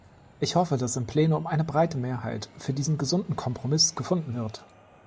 Ich hoffe, dass im Plenum eine breite Mehrheit für diesen gesunden Kompromiss gefunden wird.